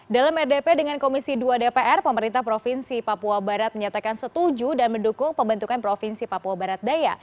dalam rdp dengan komisi dua dpr pemerintah provinsi papua barat menyatakan setuju dan mendukung pembentukan provinsi papua barat daya